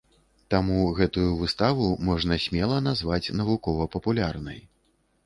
Таму гэтую выставу можна смела назваць навукова-папулярнай.